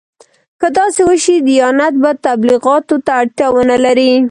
که داسې وشي دیانت به تبلیغاتو ته اړتیا ونه لري.